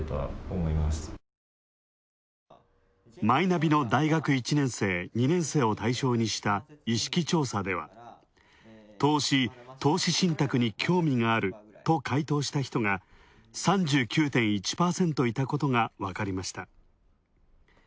マイナビの大学１年生・２年生を対象にした意識調査では、投資、投資信託に興味がある、と回答した人が、３９．１％いたことがわかりました。